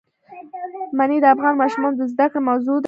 منی د افغان ماشومانو د زده کړې موضوع ده.